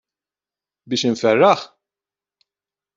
Biex inferraħ?